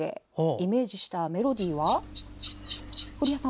イメージしたメロディーは。